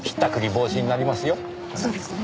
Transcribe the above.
そうですね。